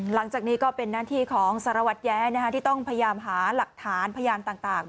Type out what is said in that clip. หลังจากนี้ก็เป็นหน้าที่ของสารวัตรแย้ที่ต้องพยายามหาหลักฐานพยานต่าง